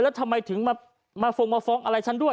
แล้วทำไมถึงมาฟงมาฟ้องอะไรฉันด้วย